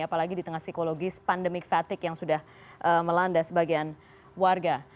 apalagi di tengah psikologis pandemik fatigue yang sudah melanda sebagian warga